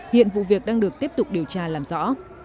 hiện vụ việc đang được tiếp tục điều tra làm rõ